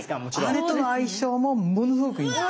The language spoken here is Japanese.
あれとの相性もものすごくいいんです。